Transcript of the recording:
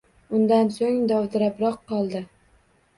Undan so‘ng dovdirabroq qoldi